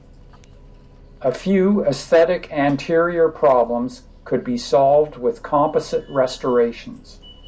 A few aesthetic anterior problems could be solved with composite restorations.